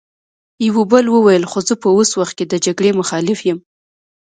يوه بل وويل: خو زه په اوس وخت کې د جګړې مخالف يم!